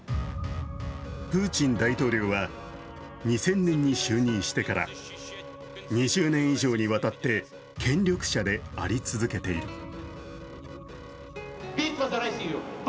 プーチン大統領は２０００年に就任してから２０年以上にわたって権力者であり続けている。